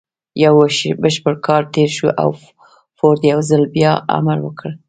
يو بشپړ کال تېر شو او فورډ يو ځل بيا امر وکړ.